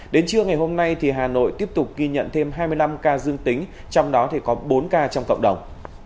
đến trưa ngày hôm nay hà nội tiếp tục ghi nhận thêm hai mươi năm ca dương tính trong đó có bốn ca trong cộng đồng